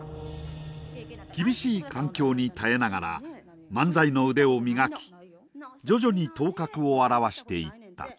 厳しい環境に耐えながら漫才の腕を磨き徐々に頭角を現していった。